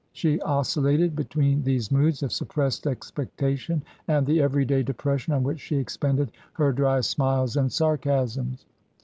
She oscillated be tween these moods of suppressed expectation and the every day depression on which she expended her dry smiles and sarcasms.